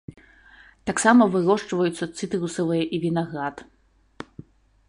Таксама вырошчваюцца цытрусавыя і вінаград.